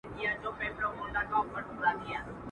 ورځو کډه کړې ده اسمان ګوري کاږه ورته.